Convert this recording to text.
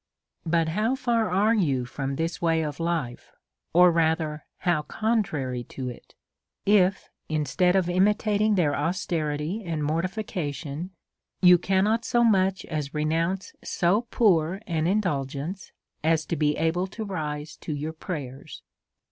But how far are you from this way of life, or rather how contrary to it, if instead of imitating' their auste rity and mortification, you cannot so much as renounce so poor an indulgence as to be able to rise to your prayers